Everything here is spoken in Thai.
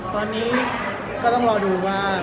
ตอนนี้ก็ต้องรอดูว่า